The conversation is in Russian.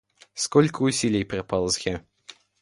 Сколько усилий пропало зря.